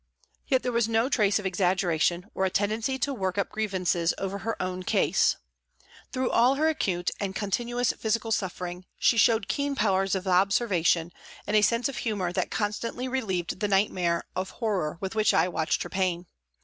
Yet there was no trace of exaggeration or a tendency to work up grievances over her own case. Through all her acute and continuous physical suffering she showed keen powers of observation and a sense of humour that constantly relieved the nightmare of horror with which I watched her pain.